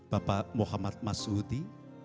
bapak muhammad mas udi